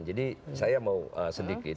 jadi saya mau sedikit